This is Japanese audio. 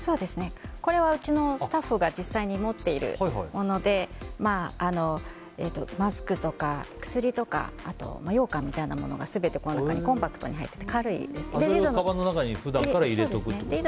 これはうちのスタッフが実際に持っているものでマスクとか薬ようかんみたいなものが全て、この中にコンパクトに入っていてこれをカバンの中に普段から入れておくってことですか。